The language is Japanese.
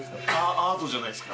アートじゃないですか？